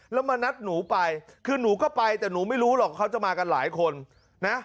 แล้วมานัดหนูไปคือหนูก็ไปแต่หนูไม่รู้หรอกเขาจะมากันหลายคนนะ